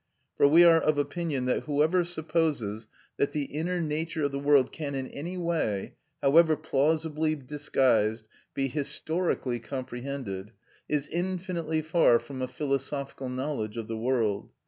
For we are of opinion that whoever supposes that the inner nature of the world can in any way, however plausibly disguised, be historically comprehended, is infinitely far from a philosophical knowledge of the world.